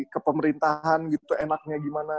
ke pemerintahan gitu enaknya gimana